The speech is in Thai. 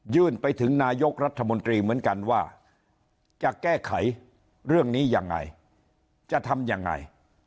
ไปถึงนายกรัฐมนตรีเหมือนกันว่าจะแก้ไขเรื่องนี้ยังไงจะทำยังไง